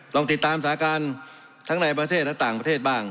ลองติดตามสถานการณ์ทั้งในประเทศและต่างประเทศบ้าง